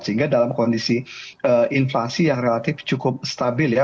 jadi inflasi yang relatif cukup stabil ya